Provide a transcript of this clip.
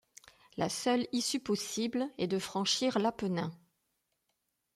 La seule issue possible est de franchir l'Apennin.